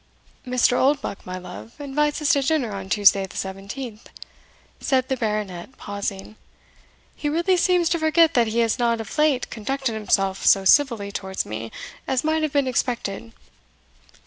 "Mr. Oldbuck, my love, invites us to dinner on Tuesday the 17th," said the Baronet, pausing; "he really seems to forget that he has not of late conducted himself so civilly towards me as might have been expected."